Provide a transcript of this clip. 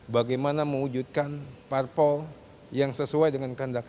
bagaimana mewujudkan parpol yang sesuai dengan kandak